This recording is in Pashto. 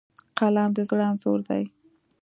فلم د زړه انځور دی